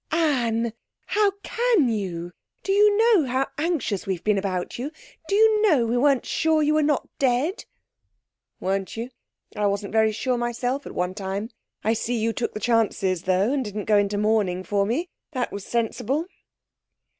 'Anne! How can you? Do you know how anxious we've been about you? Do you know we weren't sure you were not dead?' 'Weren't you? I wasn't very sure myself at one time. I see you took the chances, though, and didn't go into mourning for me. That was sensible.'